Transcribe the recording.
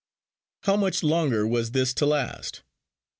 How much longer was this to last?